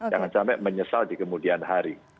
jangan sampai menyesal di kemudian hari